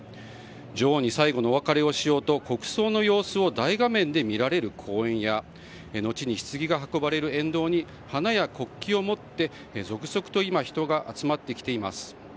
女王に最後のお別れをしようと国葬の様子を大画面で見られる公園や後にひつぎが運ばれる沿道に花や国旗を持って続々と今人が集まってきています。